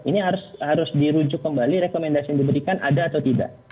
ini harus dirujuk kembali rekomendasi yang diberikan ada atau tidak